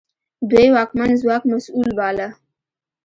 دوی واکمن ځواک مسوول باله.